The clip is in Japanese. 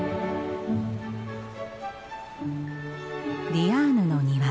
ディアーヌの庭。